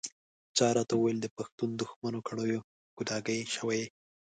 چا راته ویل د پښتون دښمنو کړیو ګوډاګی شوی یې.